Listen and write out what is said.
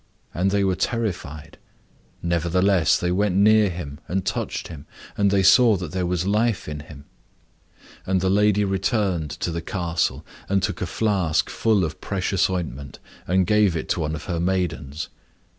And they were terrified. Nevertheless they went near him, and touched him, and they saw that there was life in him. And the lady returned to the castle, and took a flask full of precious ointment and gave it to one of her maidens.